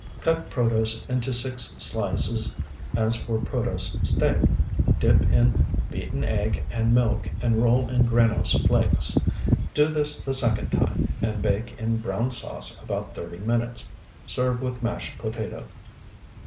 Cut protose into six slices as for protose steak. Dip in beaten egg and milk, and roll in granose flakes. Do this the second time, and bake in brown sauce about thirty minutes. Serve with mashed potato.